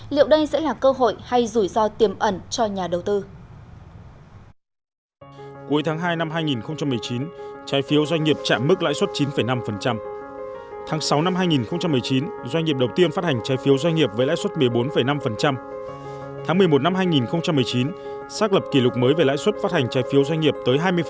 liệu đây sẽ là cơ hội hay rủi ro tiềm ẩn cho nhà đầu tư